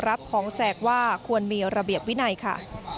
รับของแจกว่าควรมีระเบียบวินัยค่ะ